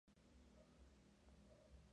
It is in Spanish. Sin embargo, no se descarta un futuro traslado.